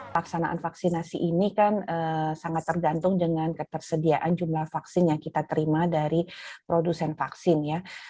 paksanaan vaksinasi ini kan sangat tergantung dengan ketersediaan jumlah vaksin yang kita terima dari produsen vaksin ya